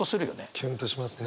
キュンとしますね。